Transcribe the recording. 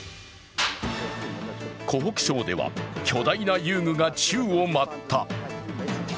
湖北省では巨大な遊具が宙を舞った。